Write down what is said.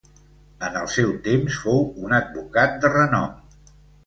En el seu temps fou un advocat de renom.